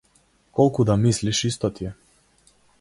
Колку да мислиш исто ти е.